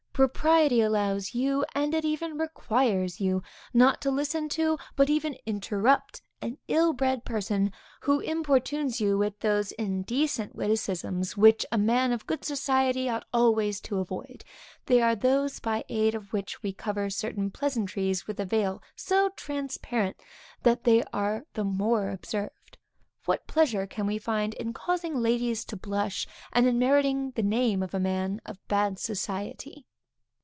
Propriety allows you, and it even requires you not to listen to, but even to interrupt an ill bred person who importunes you with those indecent witticisms which a man of good society ought always to avoid; they are those by aid of which we cover certain pleasantries with a veil so transparent, that they are the more observed. What pleasure can we find in causing ladies to blush, and in meriting the name of a man of bad society?